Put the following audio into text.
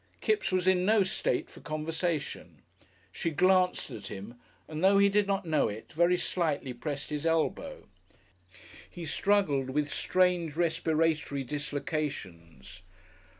Kipps was in no state for conversation. She glanced at him, and, though he did not know it, very slightly pressed his elbow. He struggled with strange respiratory dislocations.